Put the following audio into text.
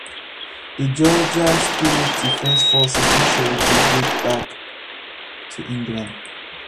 The Georgia State Defense Force's rich heritage dates back to England.